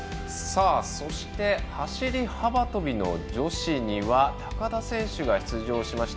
走り幅跳びの女子には高田選手が出場しました。